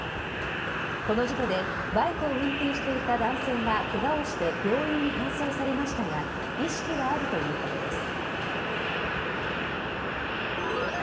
この事故で、バイクを運転していた男性がけがをして病院に搬送されましたが意識はあるということです。